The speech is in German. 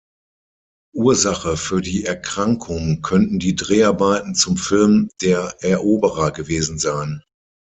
Ursache für die Erkrankung könnten die Dreharbeiten zum Film "Der Eroberer" gewesen sein.